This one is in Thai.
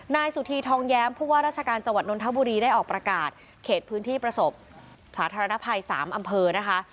นายสุธีทองแย้มผู้ว่าราชการจังหวัดนทบุรีได้ออกประกาศเขตพื้นที่ประสบสาธารณภัย๓อำเภอนะคะ